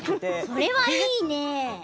それは、いいね。